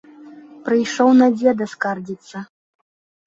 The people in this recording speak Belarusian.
Прыйшоў на дзеда скардзіцца!